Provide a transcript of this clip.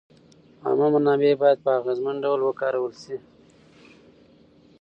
عامه منابع باید په اغېزمن ډول وکارول شي.